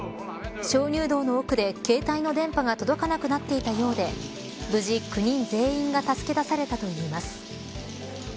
鍾乳洞の奥で、携帯の電波が届かなくなっていたようで無事９人全員が助け出されたといいます。